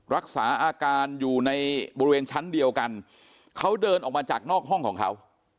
รักษาอาการอยู่ในบริเวณชั้นเดียวกันเขาเดินออกมาจากนอกห้องของเขา